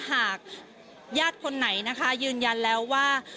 หากญาติคนไหนนะคะยืนยันแล้วว่า